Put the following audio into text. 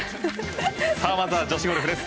まずは女子ゴルフです。